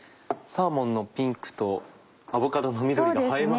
サーモンのピンクとアボカドの緑が映えますね。